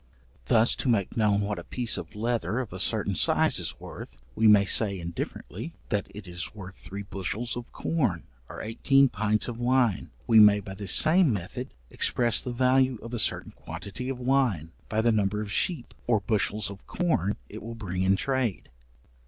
Thus, to make known what a piece of leather of a certain size is worth, we may say indifferently, that it is worth three bushels of corn, or eighteen pints of wine. We may by the same method express the value of a certain quantity of wine, by the number of sheep, or bushels of corn it will bring in trade.